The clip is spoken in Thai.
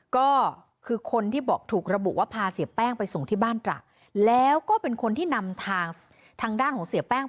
ก็คือคนที่บอกถูกระบุว่าพาเสียแป้งไปส่งที่บ้านตระแล้วก็เป็นคนที่นำทางทางด้านของเสียแป้ง